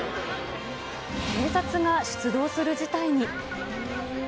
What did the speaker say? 警察が出動する事態に。